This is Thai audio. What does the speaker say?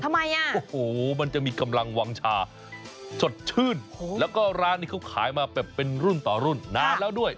ทำไมอ่ะโอ้โหมันจะมีกำลังวางชาสดชื่นแล้วก็ร้านนี้เขาขายมาแบบเป็นรุ่นต่อรุ่นนานแล้วด้วย